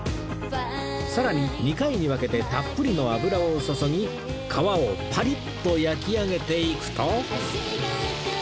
さらに２回に分けてたっぷりの油を注ぎ皮をパリッと焼き上げていくと